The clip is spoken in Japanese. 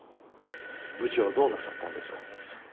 部長どうなさったんですか？